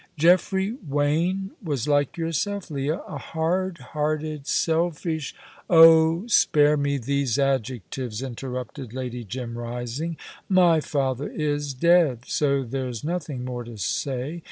"Geoffrey Wain was like yourself, Leah a hard hearted, selfish " "Oh, spare me these adjectives," interrupted Lady Jim, rising. "My father is dead, so there's nothing more to say.